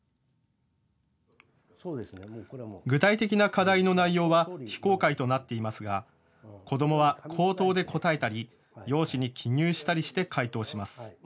具体的な課題の内容は非公開となっていますが子どもは口頭で答えたり用紙に記入したりして回答します。